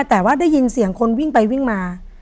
แต่ว่าได้ยินเสียงคนวิ่งไปวิ่งมา